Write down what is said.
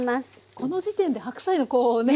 この時点で白菜のこうね